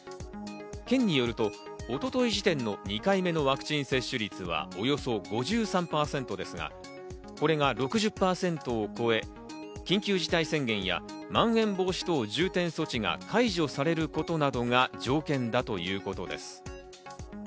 県によると、一昨日時点の２回目のワクチン接種率は、およそ５３％ですが、これが６０％を超え、緊急事態宣言やまん延防止等重点措置が解除されることなどが条件だということです。